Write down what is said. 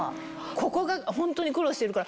ここがホントに苦労してるから。